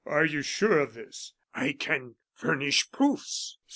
"Are you sure of this?" "I can furnish proofs."